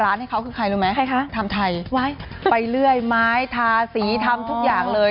ให้เขาคือใครรู้ไหมใครคะทำไทยไว้ไปเรื่อยไม้ทาสีทำทุกอย่างเลย